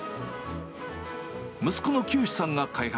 息子のきよしさんが開発。